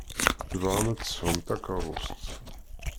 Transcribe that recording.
Tembɣam ad tesɛum takeṛṛust.